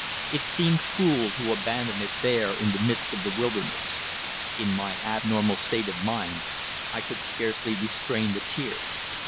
It seemed cruel to abandon it there in the midst of the wilderness. In my abnormal state of mind I could scarcely restrain the tears.